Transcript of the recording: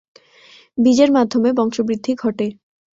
বীজের মাধ্যমে বংশবৃদ্ধি ঘটে।